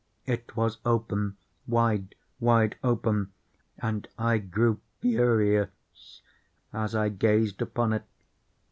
It was open—wide, wide open—and I grew furious as I gazed upon it.